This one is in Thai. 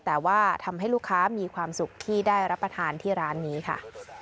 แต่ว่าทำให้ลูกค้ามีความสุขที่ได้รับประทานที่ร้านนี้ค่ะ